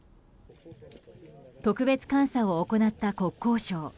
特別監査を行った国交省。